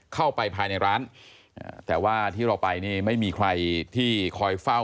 เข้าไปภายในร้านแต่ว่าที่เราไปนี่ไม่มีใครที่คอยเฝ้า